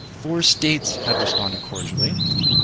Four states had responded cordially.